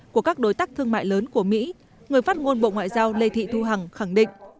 của các đối tác thương mại lớn của mỹ người phát ngôn bộ ngoại giao lê thị thu hằng khẳng định